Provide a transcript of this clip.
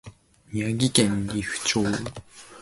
宮城県利府町